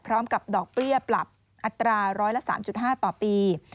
พร้อมกับดอกเบี้ยปรับอัตรา๑๐๓๕ต่อปี